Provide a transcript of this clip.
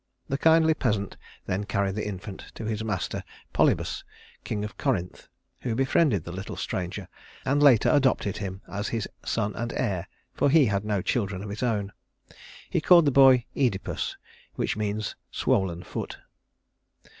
The kindly peasant then carried the infant to his master Polybus, king of Corinth, who befriended the little stranger and later adopted him as his son and heir, for he had no children of his own. He called the boy Œdipus, which means swollen foot.